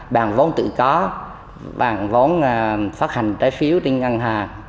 bằng vốn tự có bàn vốn phát hành trái phiếu trên ngân hàng